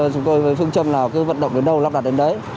chúng tôi với phương châm nào cứ vận động đến đâu lắp đặt đến đấy